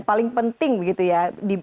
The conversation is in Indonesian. paling penting gitu ya